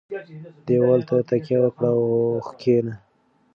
دېوال ته تکیه وکړه او کښېنه.